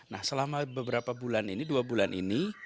nah selama beberapa bulan ini dua bulan ini